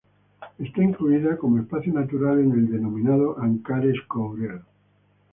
Está incluida cómo espacio natural en el denominado "Ancares-Courel".